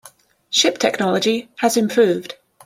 Ship technology has improved.